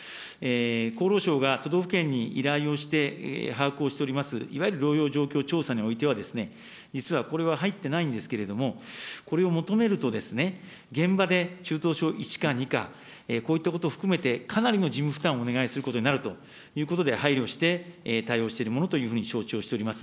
厚労省が都道府県に依頼をして把握をしております、いわゆる療養状況調査におきましては、実はこれは入ってないんですけれども、これを求めると、現場で中等症１か２か、こういったことを含めて、かなりの事務負担をお願いすることになるということで、配慮して、対応しているものというふうに承知をしております。